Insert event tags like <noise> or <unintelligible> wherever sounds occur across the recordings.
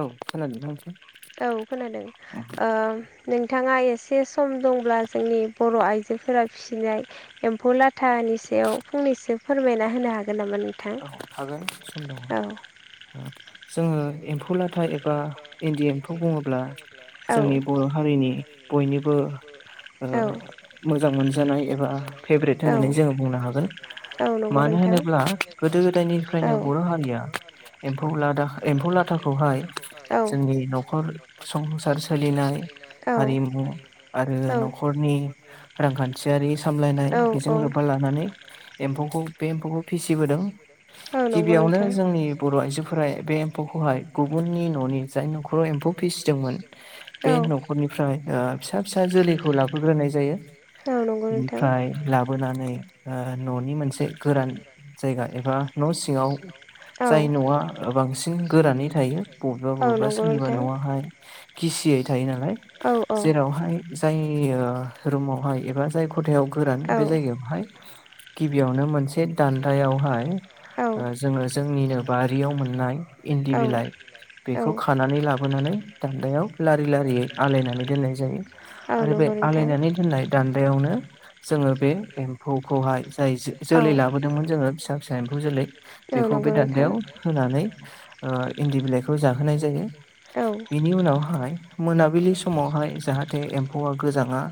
औ खोनादों ना नोंथां <unintelligible> औ खोनादों नोंथाङा एसे सम दंब्ला जोंनि बर' आइजोफोरा फिसिनाय एम्फौ लाथानि सायाव फंनैसो फोरमायना होनो हागोन नामा नोंथां औ हागोन सम दङ औ जोङो एम्फौ लाथा एबा इन्दि एम्फौ बुङोब्ला औ जोंनि बर' हारिनि बयनिबो मोजां मोनजानाय एबा फेभ्रेट होननानै आंनि जोङो बुंनो हागोन बुंनो हागोन गोदो मानो होनोब्ला गोदो गोदायनिफ्रायनो बर' हारिया एम्फौ लादा एम्फौ लाथाखौ <unintelligible> लाथाखौहाय जोंनि न'खर संसार सोलिनाय हारिमु आरो न'खरनि रांखान्थिआरि सामलायनाय बेजों लोब्बा लानानै एम्फौखौ बे एम्फौखौ फिसिबोदों औ नंगौ गिबिआवनो नोंथां। जोंनि बर' आइजोफोरा बे एम्फौखौहाय गुबुननि न'नि जाय न'खराव एम्फौ फिसिदोंमोन बे औ न'खरनिफ्राय ओ फिसा फिसा जोलैखौ लाबोग्रोनाय जायो औ नंगौ नोंथां बिनिफ्राय लाबोनानै ओ न'नि मोनसे गोरान जायगा एबा न' सिंआव औ। जाय न'आ ओ बांसिन गोरानै थायो बबेबा बबेबा सोरनिबा न'आहाय गिसियै थायो नालाय नालाय जेरावहाय जाय ओ रुमावहाय एबा जाय खथायाव गोरान बे जायगायावहाय गिबिआवनो मोनसे दान्दायावहाय ओ जोङो जोंनिनो बारिआव मोननाय इन्दि बिलाइ बेखौ बिलाइ खानानै लाबोनानै दान्दायाव लारि लारियै आलायनानै दोननाय जायो औ आरो बे नंगौ नोंथां। आलायनानै दोननाय दान्दायावनो जोङो बे एम्फौखौहाय जाय जोलै लाबोदोंमोन जोङो फिसा फिसा एम्फौ जोलै जोलै औ बेखौ बे नंगौ नोंथां दान्दायाव होनानै ओ इन्दि बिलाइखौ जाहोनाय जायो औ बिनि उनावहाय मोनाबिलि समावहाय जाहाथे एम्फौआ गोजांआ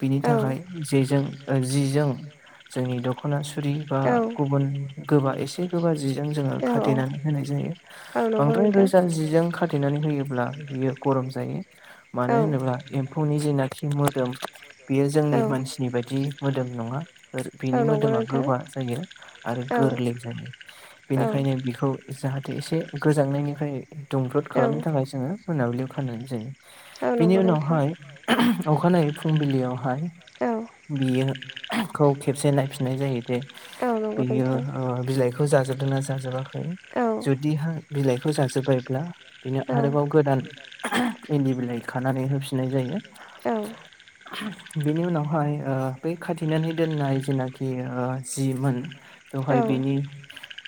बिनि औ थाखाय जेजों ओ जिजों जोंनि दखना सुरि बा जोंनि गुबुन गोबा एसे गोबा जिजों जोङो नै रोजा जिजों खाथेनानै होनाय जायो खाथेनानै होयोब्ला बियो बांद्राय रोजा जिजों गाथे खाथेनानै होयोब्ला बियो गरम जायो मानो होनोब्ला एम्फौनि जिनाखि जि मोदोम बेयो जोंनि मानसिनि बायदि मोदोम नङा ओ बिनि होनानै मोदोमा दोननाय गोबा जायो आरो गोरलै जायो बेनिखायनो बिखौ जाहाथे एसे गोजांनायनिफ्राय दुंब्रुद खालामनो थाखाय जोङो मोनाबिलिआव खानाय जायो औ बिनि नंगौ नोंथां। उनावहाय ओह अखानायै फुंबिलिआवहाय औ नंगौ बियो ओह खौ खेबसे नायफिननाय जायो दे बियो नोंथां। ओ बिलाइखौ जाजोबदों ना जाजोबाखै औ जुदि हा बिलाइखौ जाजोब्बायब्ला बिनो आरोबाव गोदान ओह इन्दि बिलाइ खानानै होफिननाय जायो औ ओह बेनि उनावहाय ओ बै खाथिनानै दोननाय जेनाखि जिमोन बेवहाय बिनि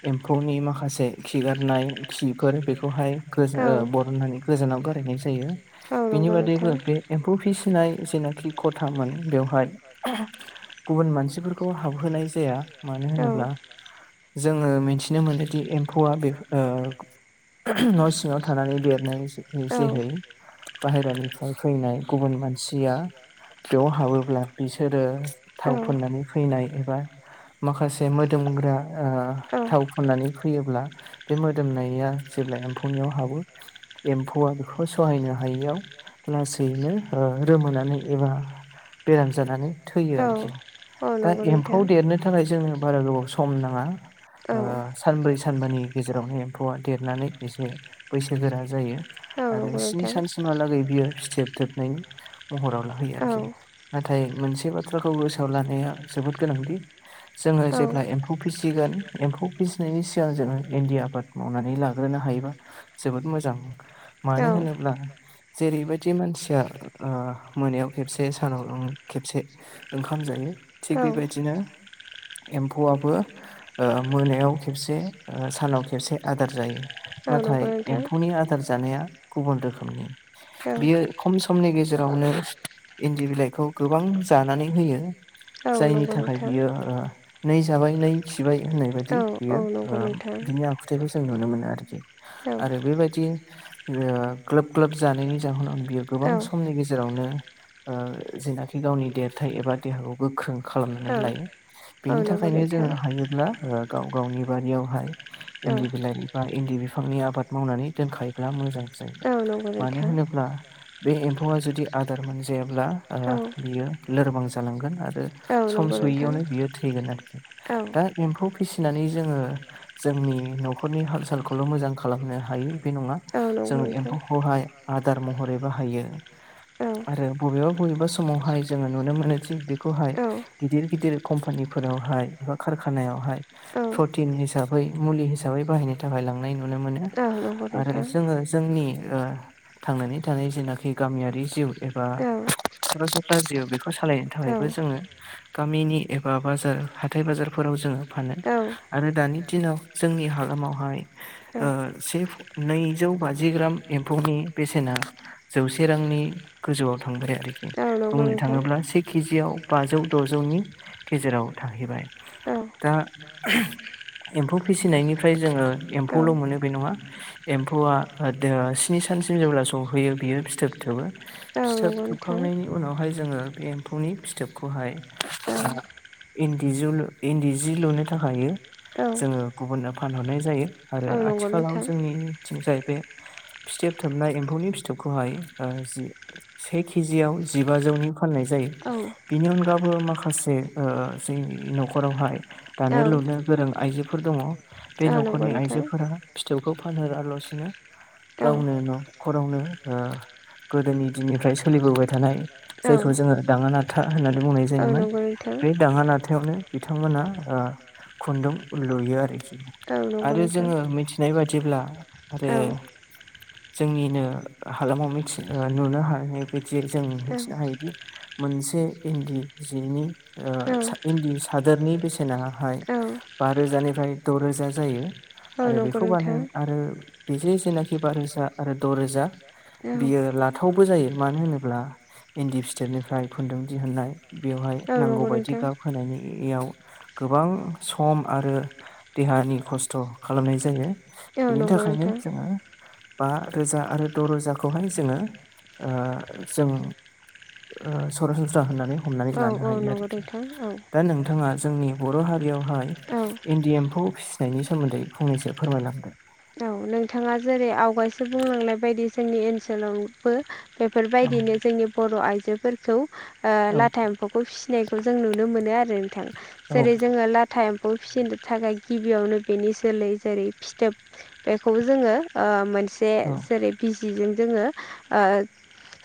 एम्फौनि माखासे खिगारनाय खिफोर बेखौहाय गो औ ओ बरननानै गोजानाव गारैनाय जायो बिनि गोजानाव दोननाय जायो। औ नंगौ बादैबो बे एम्फौ फिसिनाय जेनाखि ख'थामोन बेवहाय गुबुन मानसिफोरखौ हाबहोनाय जाया मानो औ होनोब्ला जोङो मिन्थिनो मोनोदि एम्फौआ बेफो ओ उम न' सिङाव थानानै देरनाय जेहै बाहेरानिफ्राय फैनाय गुबुन मानसिआ बेयाव हाबोब्ला बिसोरो थाव फुननानै फैनाय एबा हो माखासे मो दोमग्रा ओ औ थाव फोननानै फैयोब्ला बे मोदोमनाया जेब्ला एम्फौनिआव हाबो एम्फौआ बेखौ सहायनो हायैआव लासैनो ओ रोमोनानै एबा बेराम जानानै थैयो आरोखि औ दा नंगौ एम्फौ नोंथां देरनो थाखाय जों बारा गोबाव सम नाङा औ ओ साब्रै सा सानबानि गेजेरावनो एम्फौआ देरनानै एसे बैसो गोरा जायो औ आरो नंगौ स्नि सानसिमहालागै बियो फथोब थोबनायनि महराव लाहैयो औ आरोखि नाथाय मोनसे बाथ्राखौ गोसोआव लानाया जोबोद गोनांदि जोङो जेब्ला एम एम्फौ फिसिगोन एम्फौ फिसिनायनि सिगां जोङो इन्दि आबाद मावनानै लाग्रोनो हायोबा जोबोद मोजां औ मानो होनोब्ला जेरैबायदि मानसिया मोनायाव खेबसे सानाव खेबसे ओंखाम जायो थिग औ बेबायदिनो एम्फौआबो मोनायाव खेबसे सानाव खेबसे आदार जायो। औ नंगौ नाथाय नोंथां एम्फौनि आदार जानाया गुबुन रोखोमनि औ बियो खम समनि गेजेराव जेरावनो इन्दि बिलाइखौ गोबां जानानै होयो औ जायनि नंगौ थाखाय नोंथां बियो नै जाबाय नै खिबाय होननाय बायदि औ औ बियो नंगौ नोंथां बिनि आखुथायाइखौ जों नुनो मोनो आरोखि औ आरो बेबायदि ग्लोब ग्लोब जानायनि जाहोनाव बियो गोबां औ समनि गेजेरावनो जेनाखि गावनि देरथाय एबा देहाखौ गोख्रों खालामनानै लायो औ औ बेनि नंगौ थाखायनो नोंथां जोङो हायोब्ला गाव गावनि बारियावहाय औ इन्दि बिलाइ बा इन्दि बिफांनि आबाद मावनानै दोनखायोब्ला मोजां जायो औ नंगौ मानो नोंथां होनोब्ला बे एम्फौआ जुदि आदार मोनजायाब्ला औ बियो लोरबां जालांगोन आरो सम लोरबां जालांगोन सयैयावनो बियो थैगोन आरोखि आरो दा एम्फौ फिसिनानै जोङो जोंनि न'खरनि हाल सालखौल' मोजां खालामनो हायो बे नङा औ जों नंगौ नोंथां औ जोंनि न'खरनि थासारिखौल' एम्फौखौहाय आदार महरै बाहायो। आरो बबेबा बबेबा मोजां समावहाय जोङो नुनो मोनो खि बेखौहाय गिदिर गिदिर कम्पानिफोरावहाय खारखानायावहाय प्रटिन हिसाबै मुलि हिसाबै बाहायनो थाखाय लांनाय नु नो मोनो खालामनो हायो औ नंगौ नोंथां औ बबेबा समावहाय जोङो नुनो मोनो जि बेखौ प्रटिन हिसाबै मुलि हिसाबै बाहायनो थाखाय लांनाय नुनो मोनो आरो थांनानै थानाय जोङो जोंनि थांनानै थानाय जेनाखि गामियारि जिउ एबा जिउ सालायनो जि बेखौ थाखायबो सालायनो थाखायबो जोङो गामिनि एबा बाजार हाथाइ बाजार फोराव जोङो फानो जोङो आरो दानि दिनाव जोंनि हालामावहाय से नैजौ बाजि ग्राम एम्फौनि बेसेना जौसे रांनि गोजौआव थांबाय आरोखि। नांगौ बुंनो से केजियाव बाजौ द'जौनि थाङोब्ला से केजियाव बाजौ द'जौनि गेजेराव थांहैबाय औ दा एम्फौ फिसिनायनिफ्राय जोङो एम्फौल' मोनो बे नङा एम्फौआ स्नि सानसिम जेब्ला सौहैयो बियो फिथोब फिथोबबो औ नंगौ नोंथां। बेनिफ्राय फिथोब जोङो एम्फौनि थोबखांनायनि उनावहाय जोङो बे एम्फौनि फिथोबखौहाय फिथोबखौहाय इन्दिजुल इन्दि जि लुनो थाखाय औ जोङो गुबुननो फानहरनाय जायो आरो औ नंगौ आथिखालाव नोंथां जोंनिथिं जाहैबाय फिथेबथोबनाय एम्फौनि फिथोबखौहाय जि से केजियाव जिबाजौनि फाननाय जायो औ बिनि अनगाबो माखासे जों न'खरावहाय दानो औ लुनो गोरों आइजोफोर दङ बे औ नंगौ न'खरनि नोंथां आइजोफोरा फिथोबखौ फानहरालासिनो औ गावनो न' नखरावनो गोदोनि दिननिफ्राय सोलिबोबाय थानाय जायखौ जोङो दाङाना नाथा होननानै बुंनाय जोङो बानाना औ जायोमोन नंगौ नोंथां बे दाङा नाथायावनो बिथांमोना खुन्दुं लुयो आरोखि औ नंगौ आरो नोंथां जोङो मिथि नाय बादिब्ला आरो <unintelligible> जोंनिनो हालामाव मिथि नुनो हानाय बायदियै जों औ मिथिनो हायोदि मोनसे इन्दि जिनि इन्दि सादोरनि बेसेनाहाय औ बा रोजानिफ्राय द'रोजा जायो औ आरो नंगौ बेखौ बानाय नोंथां आरो बेजों जेनाखि बा रोजा आरो द' रोजा औ नंगौ नोंथां। होनायनि बियो ला थावबो जायो मानो होनोब्ला इन्दि फिथोबनिफ्राय खुन्दुं दिहुुननाय बेवहाय बेयाव औ नांगौ नंगौ बायदि नोंथां गाब होनायनि याव गोबां सम आरो देहानि खस्थ' खालामनाय जायो। बिनि थाखायनो जोङो बा रोजा आरो द' रोजाखौहाय जोङो जों ओ सरासनस्रा होननानै हमनानै औ औ लानो हायो नंगौ नोंथां आरोखि। दा नोंथाङा जोंनि बर' औ दा नोंथाङा जोंनि बर' हारियावहाय हारियावहाय औ इन्दि एम्फौ फि सिनायनि सोमोन्दै फंनैसो फोरमायलांदो। औ नोंथाङा जेरै आवगायसो बुंलांनाय बायदि जोंनि ओनसोलाव बो औ बेफोरबायदिनो जोंनि बर' आइजोफोरखौ ओ औ लाथा ए म्फौखौ फिसिनायखौ जों नुनो मोनो आरो नोंथां औ जेरै जोङो ला था‌ एम्फौ फिसिनो थाखाय गिबियावनो बेनि जोलै जेरै फिथोब बेखौबो जोङो ओ मोनसे औ जेरै बिजिजों जोङो ओ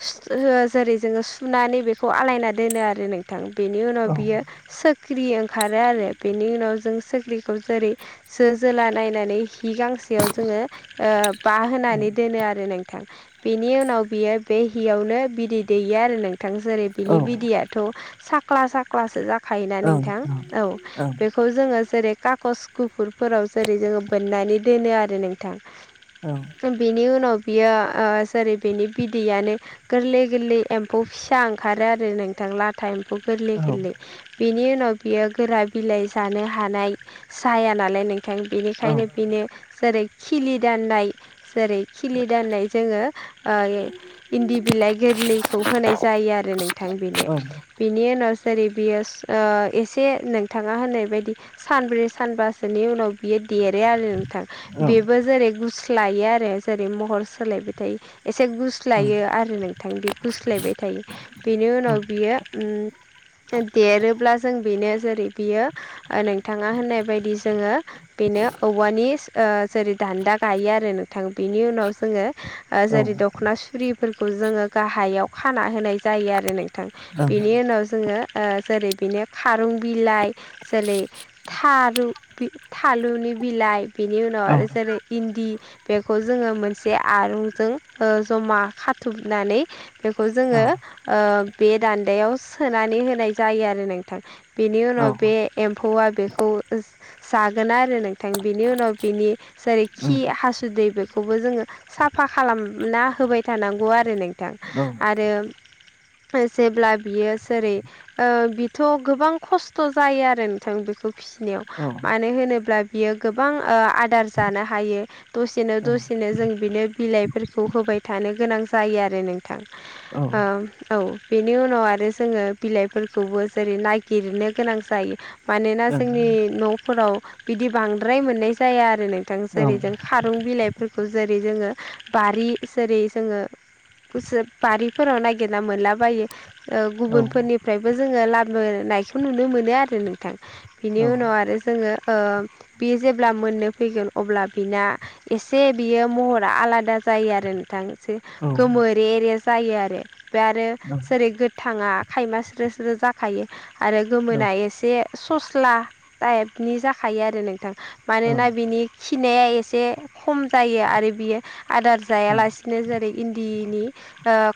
<unintelligible> जेरै जोङो सुनानै बे खौ आलायना दोनो आरो नोंथां बेनि औ उनाव बियो सो ख्रि ओंखारो आरो बेनि उनाव जों सोख्रिखौ जेरै जो जोला नायनानै हि गांसेयाव जोङो ओ बा होनानै दोनो आरो नों थां बेनि उनाव बियो बे हिआवनो बिदै दैयो आरो नोंथां जेरै बिनि ओं बिदैयाथ' साक्ला साक्लासो जाखायोना ओं ओं नोंथां ओं औ बे खौ जोङो जेरै कागस गुफुरफोराव जेरै जोङो बोननानै दोनो आरो नोंथां। औ बिनि उनाव बियो ओ जेरै बिनि बिदैयानो गोरलै गोरलै एम्फौ फिसा ओंखारो आरो नोंथां लाथा एम्फौ गोरलै औ ओं गोरलै बिनि उनाव बियो गोरा बिलाइ जानो हानाय जाया नालाय नों थां‌ ओं औ बेनिखायनो बिनो जेरै खिलि दाननाय जेरै खिलि दाननाय जोङो ओ इन्दि बिलाइ गोरलैखौ होनाय जायो आरो नोंथां बेनो बिनि उनाव जेरै बियो ओ एसे नोंथाङा होननाय बायदि सानब्रै सानबा सोनि उनाव बियो देरो आरो नोंथां ओं बेबो जेरै गुस स्लायो आरो जेरै महर सोलायबायथायो एसे गुस्लायो आरो नों थां बे गुस्लायबाय थायो बेनि उनाव बियो उम देरोब्ला जों बेनो जेरै बियो ओ नोंथाङा होननाय बायदि जोङो बेनो औवानि ओ जेरै दान्दा गायो आरो नोंथां बिनि उनाव जोङो ओ जेरै द खना सुरिफोरखौ जोङो गाहायाव खाना होनाय जायो आरो नोंथां बेनि उनाव जोङो ओ जेरै बिनो खारं बिलाइ जेरै थारु थालुनि बिलाइ बिनि उनाव औ आरो जेरै इन्दि बेखौ जोङो मोनसे आरंजों ओ जमा खा थुबनानै बेखौ जोङो ओ बे दान्दायाव सोनानै होनाय जायो आरो नोंथां बेनि औ ओं औ उनाव बे एम्फौआ बेखौ जागोन आरो नोंथां बिनि उनाव बिनि जेरै खि ओं हासुदै बेखौबो जोङो साफा खालामना होबाय थानांगौ आरो नोंथां औ ओं आरो जेब्ला बियो जेरै ओ बेथ' गोबां खस्थ' जायो आरो नोंथां बेखौ फिसिनायाव औ मानो होनोब्ला बियो गोबां आदार जानो हायो। दसेनो औ दसेनो जों बिनो बिलाइफोरखौ होबाय थानो गोनां जायो आरो नों थां औ ओ औ बेनि उनाव आरो जोङो बिलाइफोरखौबो जेरै नागिरनो गोनां जायो। मानोना जोंनि न'फोराव बिदि बांद्राय मोननाय जाया आरो नों जेरै जों औ खारुं बिलाइफोरखौ जेरै जोङो बारि जेरै जोङो बारिफोराव नागिरना मोनलाबायो गुबुनफोरनिफ्रायबो जोङो लाबोनायखौ नुनो मोनो आरो नोंथां बिनि उनाव आरो जोङो बे जेब्ला मोननो फैगोन अब्ला बिना एसे बियो महरा आलादा जायो आरो नोंथां गोमोरे रे जायो आरो बे आरो जेरै गोथाङा खायमा स्रो स्रो जा खायो आरो ओं गोमोना एसे सस्ला टाइपनि जाखायो आरो नोंथां मानोना बिनि खिनाया एसे खम जायो आरो बियो आदार ओं जायालासे नो जेरै इन्दिनि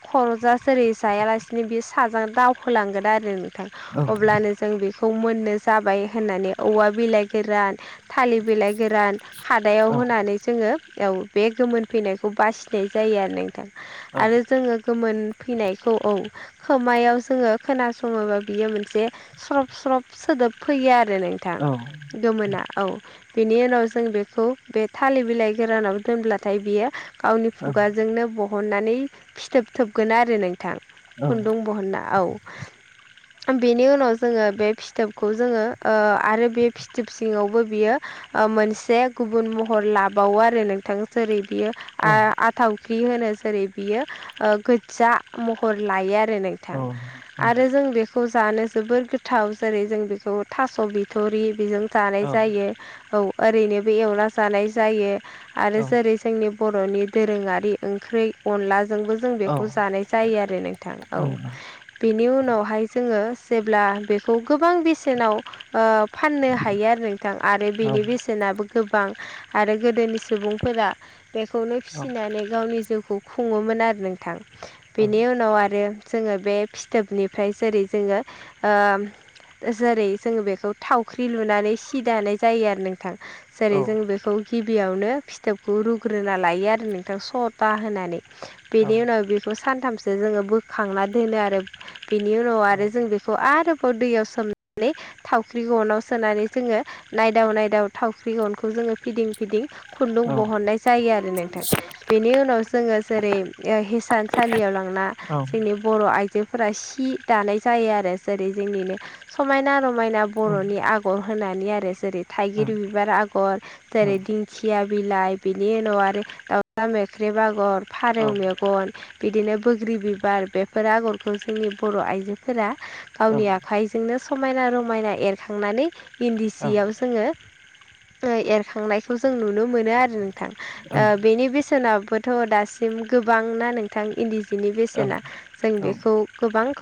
खर'साआ जेरै जायालासिनो बे साजों दावखोलांगोन आरो नोंथां औ अब्लानो जों बेखौ मोननो जाबाय होननानै औवा बिलाइ गोरान थालिर बिलाइ गोरान खादायाव औ होनानै जोङो औ बे गोमोन फैनायखौ बासिनाय जायो आरो नोंथां आरो जोङो गोमोन फैनायखौ औ खोमायाव जोङो खोनासङोबा बियो मोनसे स्रब स्रब सोदोब फैयो आरो नोंथां औ गोमोना औ बेनि उनाव जों बेखौ बे थालिर बिलाइ गोरानाव दोनब्लाथाय बेयो गावनि खुगाजोंनो बहननानै फिथोब थोबगोन आरो नोंथां औ खुन्दुं बहनना औ बेनि उनाव जोङो बे फिथोबखौ जोङो आरो बे फिथोब सिङावबो बियो मोनसे गुबुन महर लाबावो आरो नोंथां जेरै बियो औ आ थावख्रि होनो जेरै बियो गोज्जा महर लायो आरो नों उम आरो जों बे खौ जानो जोबोर गोथाव जेरै जों बेखौ थासबिथरि बेजों जा औ ओरैनो बे एवना जानाय जायो आरो औ जेरै जोंनि बर'नि दोरोङारि ओंख्रि अनलाजोंबो जों औ बेखौ जानाय जायो आरो नोंथां औ बेनि उनावहाय जोङो जेब्ला बेखौ गोबां बेसेनाव ओ फाननो हायो आरो नोंथां आरो औ बेनि बेसेनाबो गोबां आरो गोदोनि सुबुंफोरा बेखौनो औ फिसिनानै गावनि जिउखौ खुङोमोन आरो नोंथां बेनि उनाव आरो जोङो बे फिथोबनिफ्राय जेरै जोङो जेरै जोङो बेखौ थावख्रि लुनानै सि दानाय जायो आरो नोंथां जेरै जों बेखौ गिबियावनो फिथोबखौ रुग्रोना लायो आरो नोंथां सथा होनानै बेनि उनाव बे खौ सानथामसो जोङो बोखांना दोनो आरो बिनि उनाव आरो जों बेखौ बेखौ आरोबाव दैयाव सोमनानै थावख्रि गनाव सोनानै जोङो नायदाव नायदाव थावख्रि गनखौ जोङो फिदिं फिदिं खुन्दुं बहननाय जायो आरो नोंथां बेनि उनाव जोङो जेरै हिसानसालियाव लांना जोंनि बर' आइ आइजोफोरा सि दानाय जायो आरो जेरै जोंनिनो समायना रमायना बर'नि आग आगर होनानै आरो जेरै थाइगिर बिबार आगर जेरै दिंखिया बिलाइ बिनि उनाव आरो दाउजला मोख्रेब आगर फारौ मेगन बिदिनो बैग्रि बिबार बेफोर आगरखौ जोंनि बर' आइजोफोरा गावनि आखाइ जोंनो समायना रमायना एरखांनानै इन्दि जियाव जोङो एरखांनायखौ जों नुनो मोनो आरो नोंथां बेनि बेसेनाबोथ' दासिम गोबांना नोंथां इन्दि बिनि बेसेना औ जों औ औ बेखौ गोबां